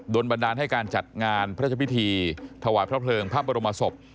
บันดาลให้การจัดงานพระราชพิธีถวายพระเพลิงพระบรมศพ